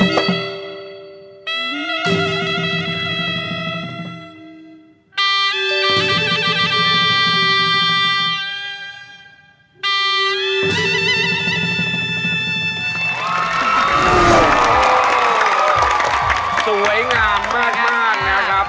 ตรงดูสวยงามมากนะครับ